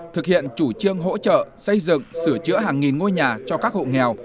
thực hiện chủ trương hỗ trợ xây dựng sửa chữa hàng nghìn ngôi nhà cho các hộ nghèo